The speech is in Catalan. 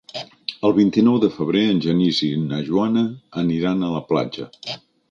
El vint-i-nou de febrer en Genís i na Joana aniran a la platja.